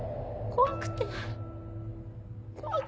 怖くて。